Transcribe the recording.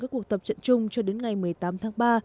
các cuộc tập trận chung cho đến ngày một mươi tám tháng ba